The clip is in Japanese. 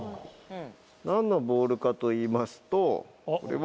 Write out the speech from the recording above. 何のボールかといいますとこれは。